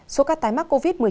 số ca tái mắc covid một mươi chín